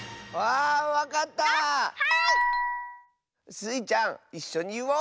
スイちゃんいっしょにいおう！